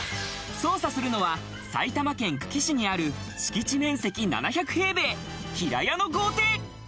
捜査するのは埼玉県久喜市にある、敷地面積７００平米、平屋の豪邸。